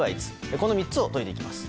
この３つを解いていきます。